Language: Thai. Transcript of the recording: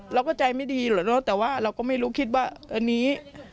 เราก็ใจไม่ดีเหรอเนอะแต่ว่าเราก็ไม่รู้คิดว่าอันนี้